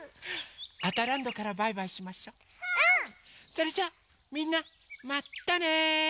それじゃあみんなまたね！